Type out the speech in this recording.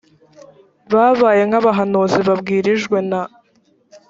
babaye nk abahanuzi babwirijwe na